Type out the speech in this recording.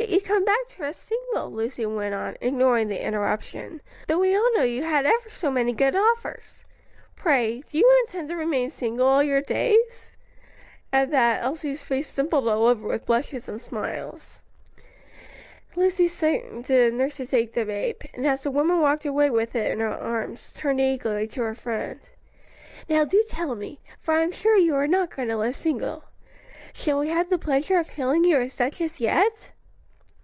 "Yet you've come back to us single," Lucy went on, ignoring the interruption, "though we all know you had ever so many good offers. Pray, do you intend to remain single all your days?" At that, Elsie's face dimpled all over with blushes and smiles. Lucy signed to the nurse to take the babe, and as the woman walked away with it in her arms, turned eagerly to her friend. "Now do tell me; for I'm sure you are not going to live single. Shall we have the pleasure of hailing you as duchess yet?"